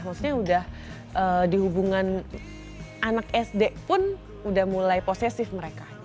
maksudnya udah di hubungan anak sd pun udah mulai posesif mereka